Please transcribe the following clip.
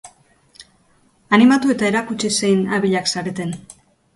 Animatu eta erakutsi zein abilak zareten.